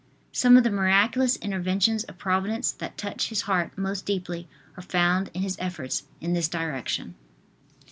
Some of the miraculous interventions of Providence that touched his heart most deeply are found in his efforts in this direction.